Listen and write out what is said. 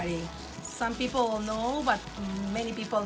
di sini adalah rumah andersen